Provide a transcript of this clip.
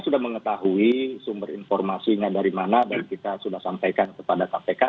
sudah mengetahui sumber informasinya dari mana dan kita sudah sampaikan kepada kpk